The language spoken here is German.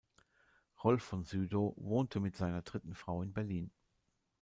Rolf von Sydow wohnte mit seiner dritten Frau in Berlin.